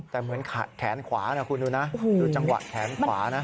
แต่เหมือนแขนขวานะคุณดูนะดูจังหวะแขนขวานะ